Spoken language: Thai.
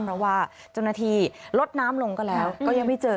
ประมาณว่าจนนาทีลดน้ำลงก็แล้วก็ยังไม่เจอ